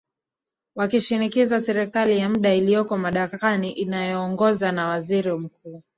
wakishinikiza serikali ya mda ilioko madarakani inayoongoza na waziri mkuu